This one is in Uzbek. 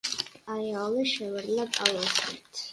Ayoli shivirlab ovoz berdi: